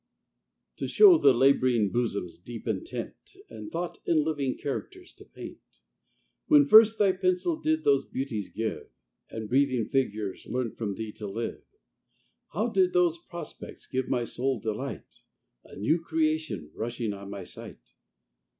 TO show the lab'ring bosom's deep intent, And thought in living characters to paint, When first thy pencil did those beauties give, And breathing figures learnt from thee to live, How did those prospects give my soul delight, A new creation rushing on my sight?